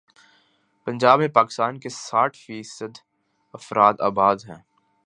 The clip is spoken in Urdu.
پنجاب میں پاکستان کے ساٹھ فی صد افراد آباد ہیں۔